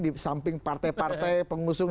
di samping partai partai pengusung